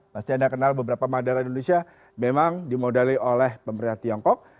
pasti anda kenal beberapa madara di indonesia memang dimodali oleh pemerintah tiongkok